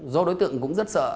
do đối tượng cũng rất sợ